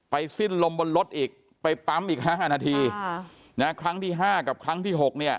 สิ้นลมบนรถอีกไปปั๊มอีก๕นาทีครั้งที่๕กับครั้งที่๖เนี่ย